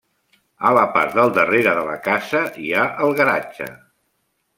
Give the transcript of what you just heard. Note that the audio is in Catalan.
A la part del darrere de la casa, hi ha el garatge.